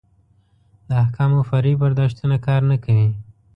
د احکامو فرعي برداشتونه کار نه کوي.